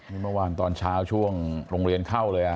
นี่เมื่อวานตอนเช้าช่วงโรงเรียนเข้าเลย